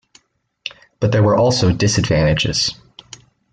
But there were also disadvantages.